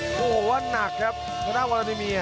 โอ้โหหนักครับทางด้านวารานิเมีย